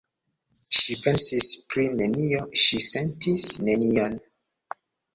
Ŝi pensis pri nenio, ŝi sentis nenion.